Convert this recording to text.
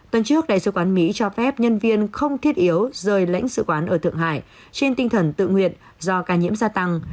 tuần trước đại sứ quán mỹ cho phép nhân viên không thiết yếu rời lãnh sự quán ở thượng hải trên tinh thần tự nguyện do ca nhiễm gia tăng